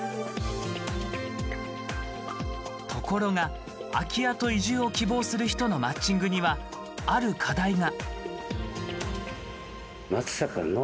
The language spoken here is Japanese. ところが、空き家と移住を希望する人のマッチングには、ある課題が。